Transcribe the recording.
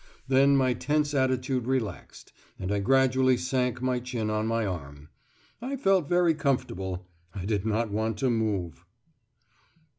Then my tense attitude relaxed, and I gradually sank my chin on my arm. I felt very comfortable. I did not want to move....